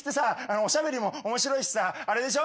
おしゃべりも面白いしさあれでしょ？